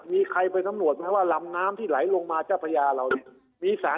มีใครไปสำรวจไหมว่าลำน้ำที่ไหลลงมาเจ้าพระยาเราเนี่ย